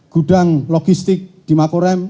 gudang logistik di markas korem